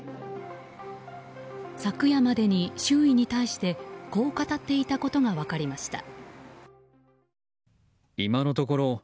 昨夜までに周囲に対してこう語っていたことが分かりました。